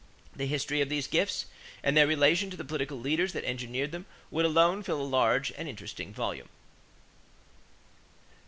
The history of these gifts and their relation to the political leaders that engineered them would alone fill a large and interesting volume.